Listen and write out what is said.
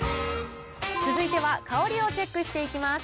続いては香りをチェックしていきます。